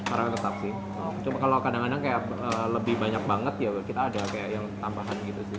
orang tetap sih cuma kalau kadang kadang kayak lebih banyak banget ya kita ada kayak yang tambahan gitu sih